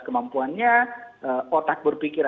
kemampuannya otak berpikir